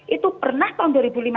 itu pernah tahun dua ribu lima belas